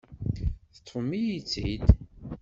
Teṭṭfem-iyi-tt-id.